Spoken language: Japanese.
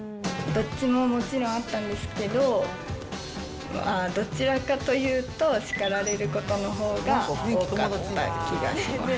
どっちももちろんあったんですけど、まあ、どちらかというと、叱られることのほうが多かった気がします。